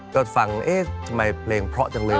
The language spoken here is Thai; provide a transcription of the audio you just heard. ก็ฟังเอ๊ะทำไมเพลงเพราะจังเลย